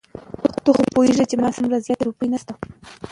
ته خو پوهېږې چې زما سره دومره زياتې روپۍ نشته.